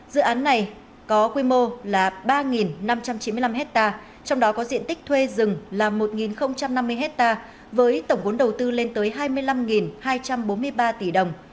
dự án này có quy mô là ba năm trăm chín mươi năm hectare trong đó có diện tích thuê rừng là một năm mươi hectare với tổng vốn đầu tư lên tới hai mươi năm hai trăm bốn mươi ba tỷ đồng